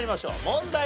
問題